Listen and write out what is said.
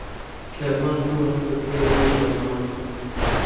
کاروان بووە بە پیاوێکی دەوڵەمەند.